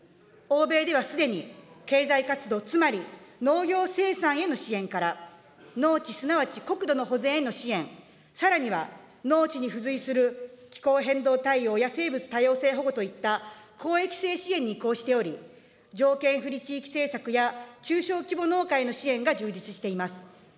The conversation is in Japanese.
欧米ではすでに経済活動、つまり、農業生産への支援から、農地すなわち国土の保全への支援、さらには農地に付随する気候変動対応や生物多様性保護といった公益性支援に移行しており、条件不利地域政策や、中小規模農家への支援が充実しています。